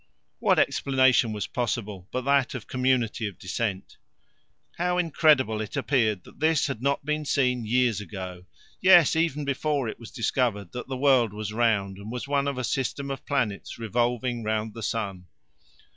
What explanation was possible but that of community of descent? How incredible it appeared that this had not been seen years ago yes, even before it was discovered that the world was round and was one of a system of planets revolving round the sun.